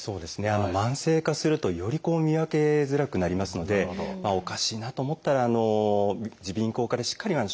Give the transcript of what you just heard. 慢性化するとより見分けづらくなりますのでおかしいなと思ったら耳鼻咽喉科でしっかり症状を伝えてですね